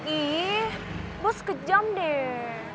ih bos kejam deh